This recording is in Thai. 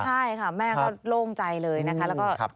ใช่ค่ะแม่ก็โล่งใจเลยนะครับ